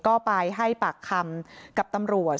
ก็ไปให้ปากคำกับตำรวจ